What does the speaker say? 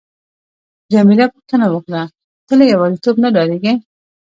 جميله پوښتنه وکړه: ته له یوازیتوب نه ډاریږې؟